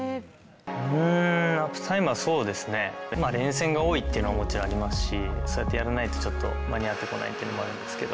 うーん、ナップタイムはそうですね、連戦が多いというのももちろんありますし、そうやってやんないとちょっと間に合ってこないというところもあるんですけど。